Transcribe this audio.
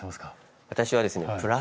私はですね